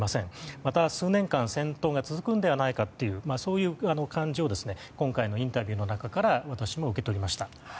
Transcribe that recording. また数年間戦闘が続くのではないかというそういう感じを今回のインタビューの中から私も受け取りました。